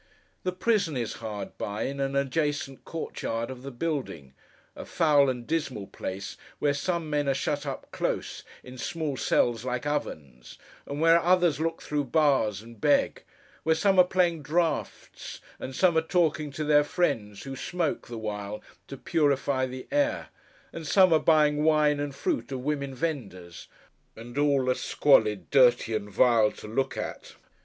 The prison is hard by, in an adjacent court yard of the building—a foul and dismal place, where some men are shut up close, in small cells like ovens; and where others look through bars and beg; where some are playing draughts, and some are talking to their friends, who smoke, the while, to purify the air; and some are buying wine and fruit of women vendors; and all are squalid, dirty, and vile to look at.